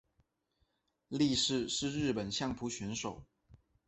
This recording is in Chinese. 力士是日本相扑的选手。